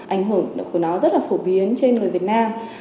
ảnh hưởng của nó rất là phổ biến trên người việt nam